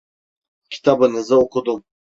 Kitabınızı okudum.